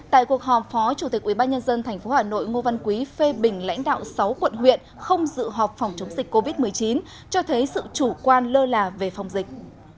tại cuộc họp phó chủ tịch ubnd tp hà nội ngô văn quý phê bình lãnh đạo sáu quận huyện không dự họp phòng chống dịch covid một mươi chín cho thấy sự chủ quan lơ là về phòng dịch